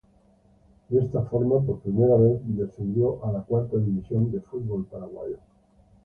De esta forma por primera vez descendió a la Cuarta División del fútbol paraguayo.